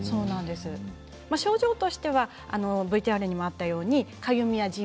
症状としてはＶＴＲにもあったよう大量にかゆみやじん